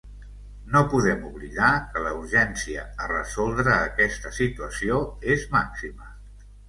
No podem oblidar que la urgència a resoldre aquesta situació és màxima.